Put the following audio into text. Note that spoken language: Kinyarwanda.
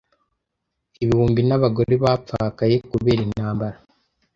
Ibihumbi n’abagore bapfakaye kubera intambara.